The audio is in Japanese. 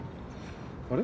あれ？